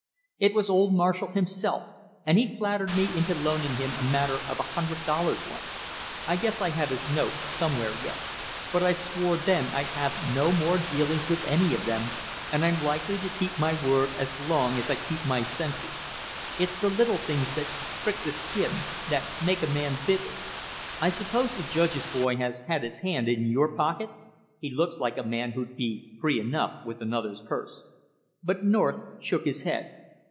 It was old Marshall himself, and he flattered me into loaning him a matter of a hundred dollars once; I guess I have his note somewhere yet. But I swore then I'd have no more dealings with any of them, and I'm likely to keep my word as long as I keep my senses. It's the little things that prick the skin; that make a man bitter. I suppose the judge's boy has had his hand in your pocket? He looks like a man who'd be free enough with another's purse." But North shook his head.